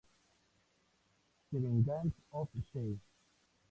The Vengeance of She.